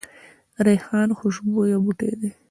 ریحان خوشبویه بوټی دی